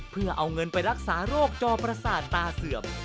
เพื่อเอาเงินไปรักษาโรคจอประสาทตาเสื่อม